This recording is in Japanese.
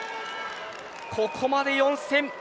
ここまで４戦。